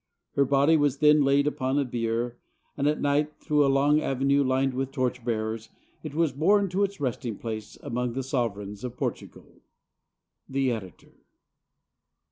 Her body was then laid upon a bier, and at night, through a long avenue lined with torch bearers, it was borne to its resting place among the sovereigns of Portugal. The Editor.